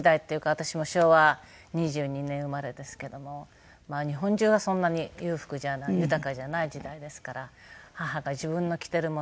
私も昭和２２年生まれですけども日本中がそんなに裕福じゃない豊かじゃない時代ですから母が自分の着てるものを。